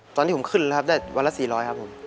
ตอนที่ผมขึ้นครับได้วันละสี่ร้อยครับผม